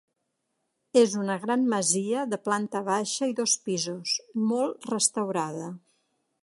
És una gran masia de planta baixa i dos pisos, molt restaurada.